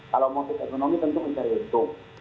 kalau motif ekonomi tentu mencari untung